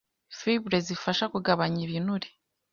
Fibre zifasha kugabanya ibinure